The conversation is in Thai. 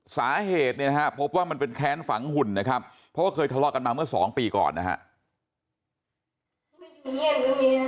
สาเหตุพบว่ามันเป็นแค้นฝังหุ่นนะครับเพราะว่าเคยทะลอกกันมาเมื่อ๒ปีก่อนนะครับ